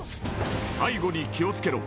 背後に気を付けろ！